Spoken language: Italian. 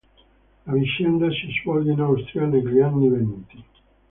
La vicenda si svolge in Austria negli anni venti.